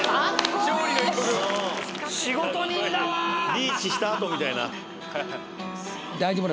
リーチしたあとみたいな。